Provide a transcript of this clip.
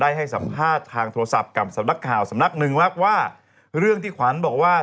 ให้สัมภาษณ์ทางโทรศัพท์กับสำนักข่าวสำนักหนึ่งว่าเรื่องที่ขวัญบอกว่า